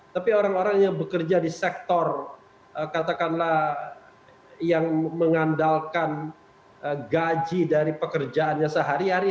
tapi orang orang yang bekerja di sektor katakanlah yang mengandalkan gaji dari pekerjaannya sehari hari